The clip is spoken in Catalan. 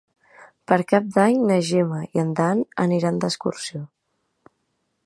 Per Cap d'Any na Gemma i en Dan aniran d'excursió.